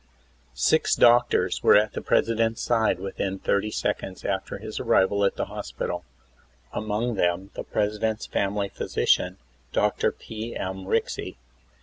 Six doctors were at the President's side within thirty seconds after his arrival at the hospital, among them the President's family physician, Dr. P. M. Rixey.